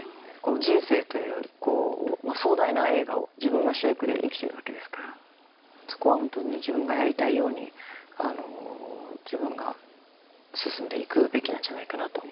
人生という壮大な映画を自分が主役で生きてるわけですからそこは本当に自分がやりたいように自分が進んでいくべきなんじゃないかなと思いますよ。